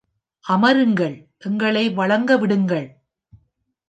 அமருங்கள், எங்களை வழங்க விடுங்கள்.